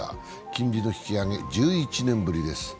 金利の引き上げは１１年ぶりです。